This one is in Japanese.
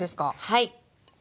はい。